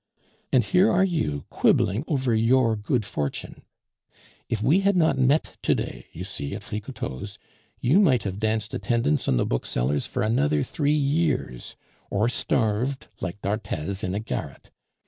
And here are you quibbling over your good fortune! If we had not met to day, you see, at Flicoteaux's, you might have danced attendance on the booksellers for another three years, or starved like d'Arthez in a garret.